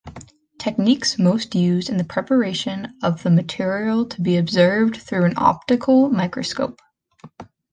Techniques most used in the preparation of the material to be observed through an optical microscope.